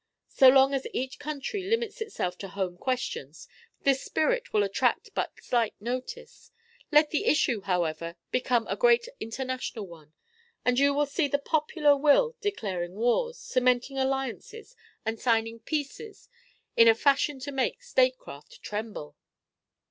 So long as each country limits itself to home questions, this spirit will attract but slight notice. Let the issue, however, become a great international one, and you will see the popular will declaring wars, cementing alliances, and signing peaces in a fashion to make statecraft tremble!"